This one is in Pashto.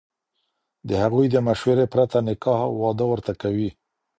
د هغوی د مشورې پرته نکاح او واده ورته کوي،